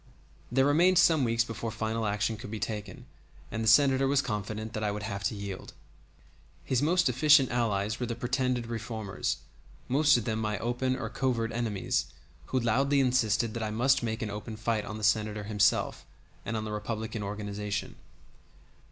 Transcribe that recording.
There remained some weeks before final action could be taken, and the Senator was confident that I would have to yield. His most efficient allies were the pretended reformers, most of them my open or covert enemies, who loudly insisted that I must make an open fight on the Senator himself and on the Republican organization.